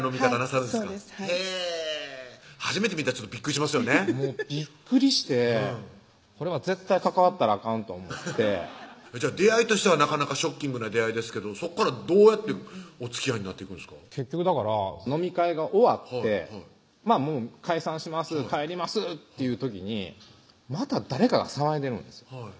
そうですへぇ初めて見たらびっくりしますよねびっくりしてこれは絶対関わったらあかんと思って出会いとしてはなかなかショッキングな出会いですけどそこからどうやっておつきあいになっていくんですか結局だから飲み会が終わって解散します帰りますっていう時にまた誰かが騒いでるんです